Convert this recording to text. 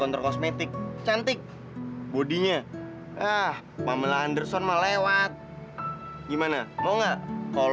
padahal dia yang udah menyebabkan kak adhika meninggal